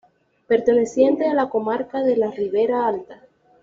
Perteneciente a la comarca de la Ribera Alta.